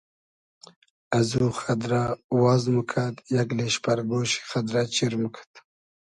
از او خئد رۂ واز موکئد یئگ لیشپئر گۉشی خئد رۂ چیر موکئد